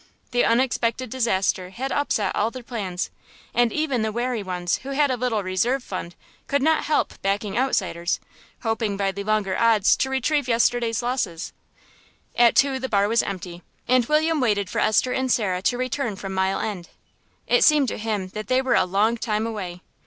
The unexpected disaster had upset all their plans, and even the wary ones who had a little reserve fund could not help backing outsiders, hoping by the longer odds to retrieve yesterday's losses. At two the bar was empty, and William waited for Esther and Sarah to return from Mile End. It seemed to him that they were a long time away.